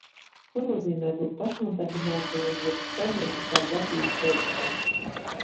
Ko nozīmē būt pašnodarbinātajam jeb saimnieciskās darbības veicējam?